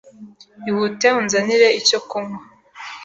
Ihute unzanire icyo kunywa.